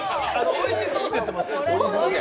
おいしそうって言ってます。